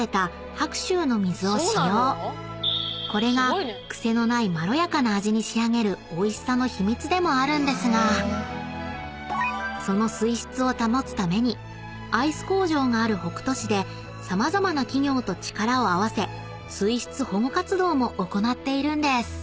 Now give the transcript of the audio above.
［これが癖のないまろやかな味に仕上げるおいしさの秘密でもあるんですがその水質を保つためにアイス工場がある北杜市で様々な企業と力を合わせ水質保護活動も行っているんです］